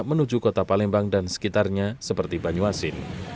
menuju kota palembang dan sekitarnya seperti banyuasin